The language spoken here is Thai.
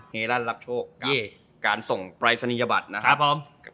เฮลั่นรับโชคกับส่งปรายศนียบัตรนะครับ